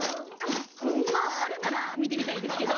うんまああるなら見てみたいんですけど。